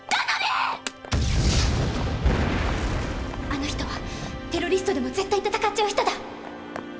あの人はテロリストでも絶対戦っちゃう人だ。